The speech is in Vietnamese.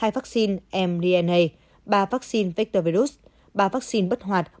hai vaccine mrna ba vaccine vector virus ba vaccine bất hoạt